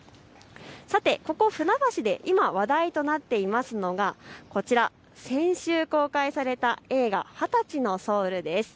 さてここ、船橋で今話題となっていますのがこちら、先週公開された映画、２０歳のソウルです。